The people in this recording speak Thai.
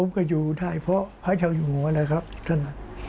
ก็อยู่ได้เพราะพระเจ้าอยู่หัวนะครับท่าน